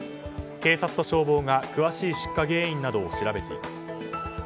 警察と消防が詳しい出火原因などを調べています。